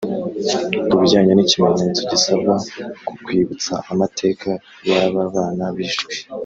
Ku bijyanye n’ikimenyetso gisabwa ku kwibutsa amateka y’aba bana bishwe